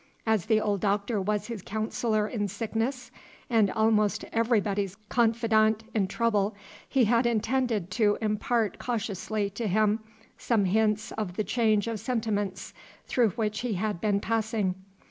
As the old Doctor was his counsellor in sickness, and almost everybody's confidant in trouble, he had intended to impart cautiously to him some hints of the change of sentiments through which he had been passing.